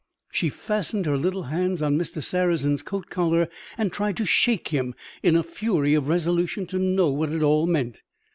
She fastened her little hands on Mr. Sarrazin's coat collar and tried to shake him, in a fury of resolution to know what it all meant.